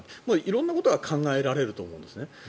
色んなことが考えられると思うんですね。